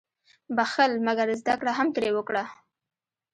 • بخښل، مګر زده کړه هم ترې وکړه.